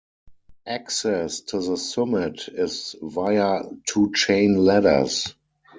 Access to the summit is via two chain ladders.